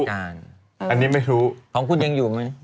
อันนี้ไม่รู้ของคุณยังอยู่ไหม